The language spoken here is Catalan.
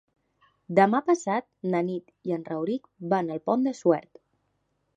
Demà passat na Nit i en Rauric van al Pont de Suert.